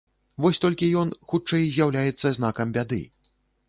Вось толькі ён, хутчэй, з'яўляецца знакам бяды.